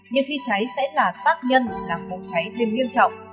nhưng khi cháy sẽ là tác nhân làm vụ cháy thêm nghiêm trọng